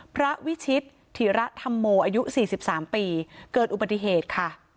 พระวิชิตถิระธรรมโมอายุ๔๓ปีเกิดอุบัติเหตุค่ะ